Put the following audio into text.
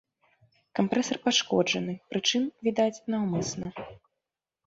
Кампрэсар пашкоджаны, прычым, відаць, наўмысна.